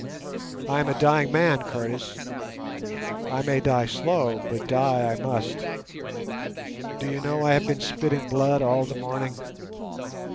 I am a dying man, Curtis. I may die slow, but die I must. Do you know I have been spitting blood all the morning?